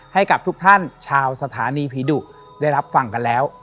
ให้กับทุกท่านชาวสถานีผีดุได้รับฟังกันแล้ว